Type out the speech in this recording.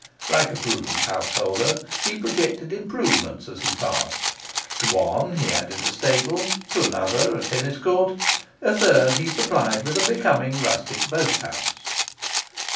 Like a prudent householder, he projected improvements as he passed; to one he added a stable, to another a tennis court, a third he supplied with a becoming rustic boat house.